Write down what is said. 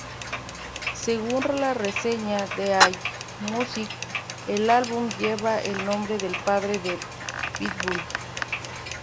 Según la reseña de Allmusic, el álbum lleva el nombre del padre de Pitbull.